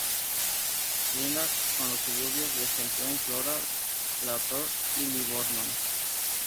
Linda con los suburbios de Centrum, Flora, Latour y Livorno.